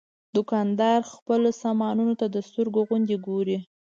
دوکاندار خپلو سامانونو ته د سترګو غوندې ګوري.